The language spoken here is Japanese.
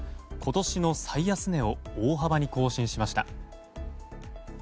今年の最安値を大幅に更新しました。